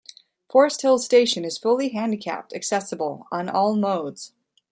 Forest Hills station is fully handicapped accessible on all modes.